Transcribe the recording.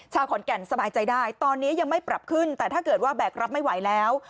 ขอนแก่นสบายใจได้ตอนนี้ยังไม่ปรับขึ้นแต่ถ้าเกิดว่าแบกรับไม่ไหวแล้ว